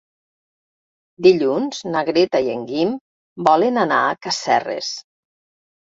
Dilluns na Greta i en Guim volen anar a Casserres.